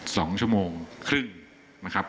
สองชั่วโมงครึ่งนะครับ